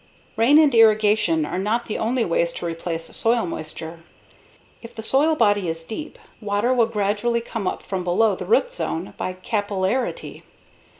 Rain and irrigation are not the only ways to replace soil moisture. If the soil body is deep, water will gradually come up from below the root zone by capillarity.